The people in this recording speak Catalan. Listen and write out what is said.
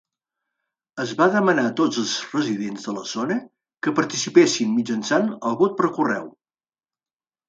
Es va demanar a tots els residents de la zona que participessin mitjançant el vot per correu.